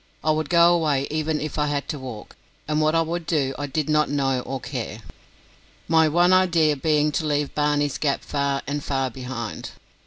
I would go away even if I had to walk, and what I would do I did not know or care, my one idea being to leave Barney's Gap far and far behind.